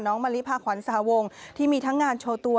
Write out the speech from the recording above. น้องมะลิพากวรศาวงศ์ที่มีทั้งงานโชว์ตัว